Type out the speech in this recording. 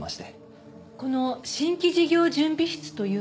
この新規事業準備室というのは？